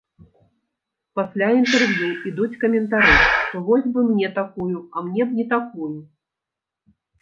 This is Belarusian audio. Пасля інтэрв'ю ідуць каментары, што вось бы мне такую, а мне б не такую.